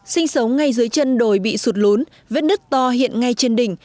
sinh sống ngay dưới chân đồi bị sụt lốn vết đất to hiện ngay trên đỉnh